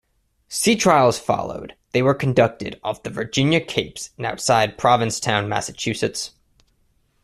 Sea trials followed; they were conducted off the Virginia Capes and outside Provincetown, Massachusetts.